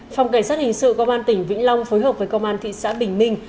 phòng cảnh sát hình sự công an tỉnh vĩnh long phối hợp với công an thị xã bình minh